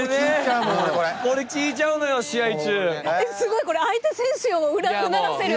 すごいこれ相手選手もうならせる？